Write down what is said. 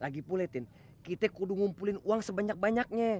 lagipul ya tin kita kudu ngumpulin uang sebanyak banyaknya